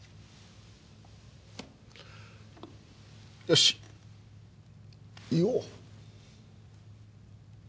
よし言おう。